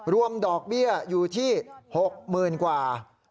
รวมดอกเบี้ยอยู่ที่๖๐๐๐กว่า